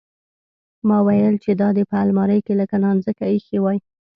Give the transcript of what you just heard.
ما ويل چې دا دې په المارۍ کښې لکه نانځکه ايښې واى.